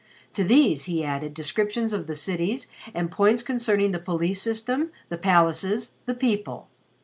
To these he added descriptions of the cities, and points concerning the police system, the palaces, the people.